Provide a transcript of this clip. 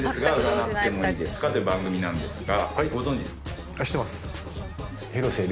という番組なんですが。